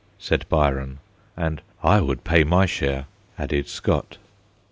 ' said Byron, and ' I would pay my share/ added Scott.